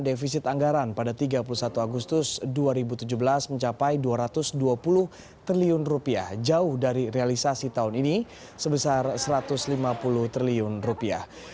defisit anggaran pada tiga puluh satu agustus dua ribu tujuh belas mencapai dua ratus dua puluh triliun rupiah jauh dari realisasi tahun ini sebesar satu ratus lima puluh triliun rupiah